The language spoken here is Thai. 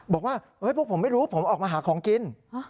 บอกว่าพวกผมไม่รู้ผมออกมาหาของกิน